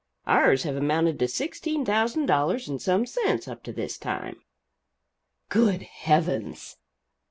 Ours have amounted to sixteen thousand dollars and some cents up to this time." "Good heavens!"